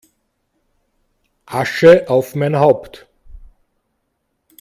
Asche auf mein Haupt!